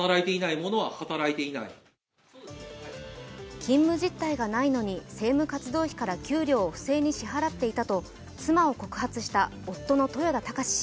勤務実体がないのに政務活動費から給料を不正に支払っていたと妻を告発した夫の豊田貴志氏。